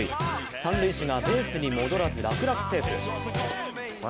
三塁手がベースに戻らず楽々セーフ。